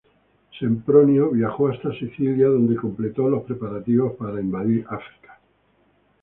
Sempronio viajó hasta Sicilia, donde completó los preparativos para invadir África.